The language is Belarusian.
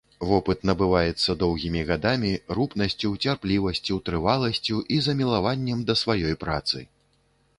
Вопыт набываецца доўгімі гадамі, рупнасцю, цярплівасцю, трываласцю і замілаваннем да сваёй працы.